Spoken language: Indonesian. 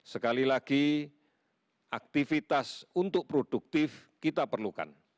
sekali lagi aktivitas untuk produktif kita perlukan